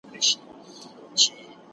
¬ هر څوک له خپله سره اور وژني.